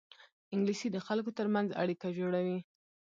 انګلیسي د خلکو ترمنځ اړیکه جوړوي